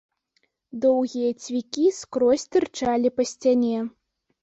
Доўгія цвікі скрозь тырчалі па сцяне.